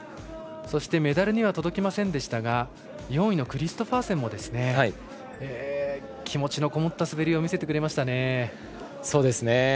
そしてメダルには届きませんでしたが４位のクリストファーセンも気持ちのこもった滑りを見せてくれましたね。